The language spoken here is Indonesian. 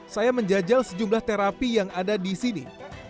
saya menjajal sejumlah terapi yang ada di sini